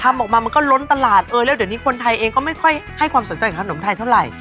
ทำออกมามันก็ล้นตลาดเออแล้วเดี๋ยวนี้คนไทยเองก็ไม่ค่อยให้ความสนใจกับขนมไทยเท่าไหร่